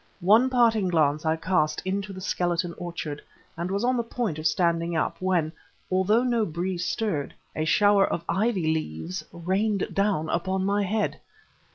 One parting glance I cast into the skeleton orchard and was on the point of standing up, when although no breezed stirred a shower of ivy leaves rained down upon my head!